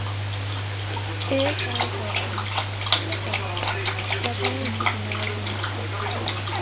He estado trabajando, ya sabes, tratando de cocinar algunas cosas".